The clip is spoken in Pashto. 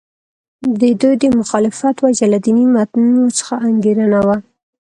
د دوی د مخالفت وجه له دیني متنونو څخه انګېرنه وه.